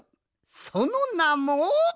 そのなも。